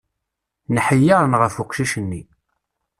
Nḥeyyaṛen ɣef uqcic-nni.